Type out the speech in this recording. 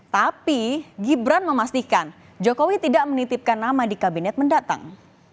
tapi gibran memastikan jokowi tidak menitipkan nama di kabinet mendatang